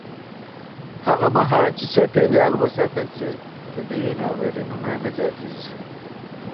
هغه مهال چې چاپېریال وساتل شي، طبیعي ناورینونه نه زیاتېږي.